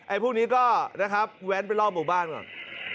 พวกนี้ก็นะครับแว้นไปรอบหมู่บ้านก่อน